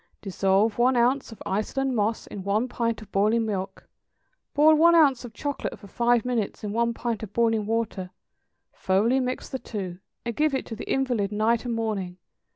= Dissolve one ounce of Iceland moss in one pint of boiling milk; boil one ounce of chocolate for five minutes in one pint of boiling water; thoroughly mix the two; and give it to the invalid night and morning.